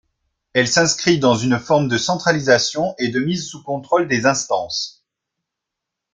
Elle s’inscrit dans une forme de centralisation et de mise sous contrôle des instances.